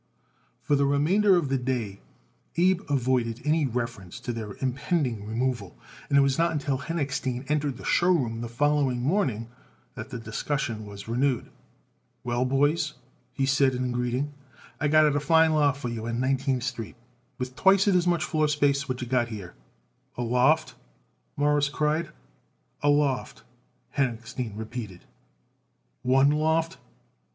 For the remainder of the day Abe avoided any reference to their impending removal, and it was not until Henochstein entered the show room the following morning that the discussion was renewed. "Well, boys," he said in greeting, "I got it a fine loft for you on Nineteenth Street with twicet as much floor space what you got here." "A loft!" Morris cried. "A loft," Henochstein repeated. "One loft?"